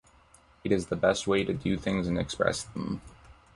It is the best way to do things and express them.